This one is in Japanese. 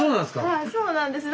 はいそうなんです。